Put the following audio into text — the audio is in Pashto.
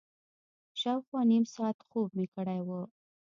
شاوخوا نیم ساعت خوب مې کړی و.